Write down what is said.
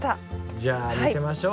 じゃあ見せましょう。